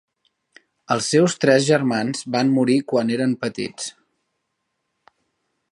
Els seus tres germans van morir quan eren petits.